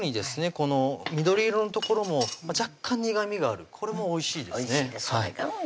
この緑色の所も若干苦みがあるこれもおいしいですねおいしいんです